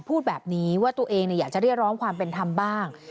พูดแบบนี้ว่าตัวเองอยากจะเรียกร้องความเป็นธรรมบ้าง